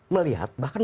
melihat ke belakang